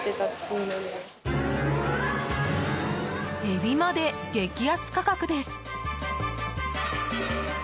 エビまで激安価格です。